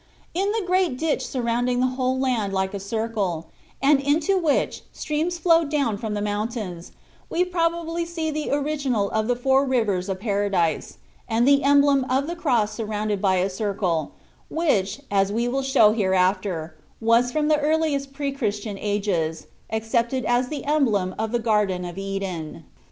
In the great ditch surrounding the whole land like a circle, and into which streams flowed down from the mountains, we probably see the original of the four rivers of Paradise, and the emblem of the cross surrounded by a circle, which, as we will show hereafter, was, from the earliest pre Christian ages, accepted as the emblem of the Garden of Eden.